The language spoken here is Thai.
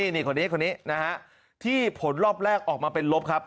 นี่คนนี้คนนี้นะฮะที่ผลรอบแรกออกมาเป็นลบครับ